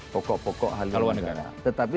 pokok pokok halilandara kalau negara tetapi